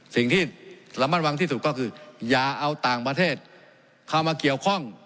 สิ่งที่ระมัดระวังที่สุดก็คืออย่าเอาต่างประเทศเข้ามาเกี่ยวข้อง